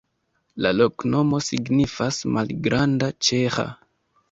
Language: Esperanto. La loknomo signifas: malgranda-ĉeĥa.